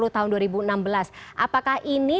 tahun dua ribu enam belas apakah ini